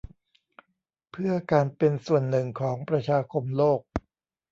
เพื่อการเป็นส่วนหนึ่งของประชาคมโลก